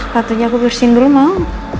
patunya aku bersihin dulu mau